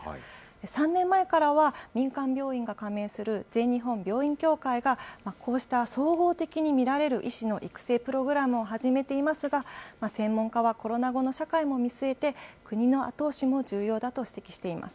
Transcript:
３年前からは、民間病院が加盟する全日本病院協会が、こうした総合的に診られる医師の育成プログラムを始めていますが、専門家はコロナ後の社会も見据えて、国の後押しも重要だと指摘しています。